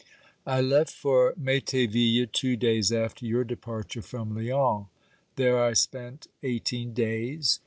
I left for M^terville two days after your departure from Lyons. There I spent eighteen days.